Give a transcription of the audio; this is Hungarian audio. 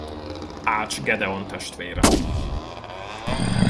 Ács Gedeon testvére.